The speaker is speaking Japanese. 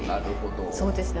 そうですね